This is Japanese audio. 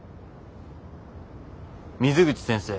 水口先生